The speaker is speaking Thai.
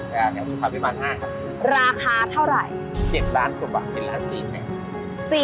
ขายไปบ้าน๕ครับราคาเท่าไหร่๗๐๐๐๐๐๐กว่าบาทเป็นละ๔๐๐๐๐๐๐บาท